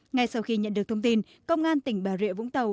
ngay sau khi nhận được thông tin công an tỉnh bà rịa vũng tàu